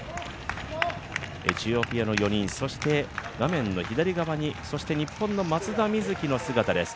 エチオピアの４人、そして画面の左側にそして日本の松田瑞生の姿です。